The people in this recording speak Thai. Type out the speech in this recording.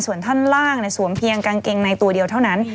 ส่วนท่านล่างสวมเพียงกางเกงในตัวเดียวเท่านั้น